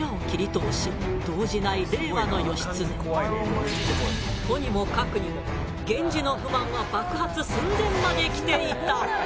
とにもかくにも源氏の不満は爆発寸前まできていた。